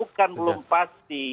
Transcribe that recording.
bukan belum pasti